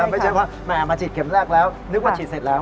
ไม่ใช่ว่าแหมมาฉีดเข็มแรกแล้วนึกว่าฉีดเสร็จแล้ว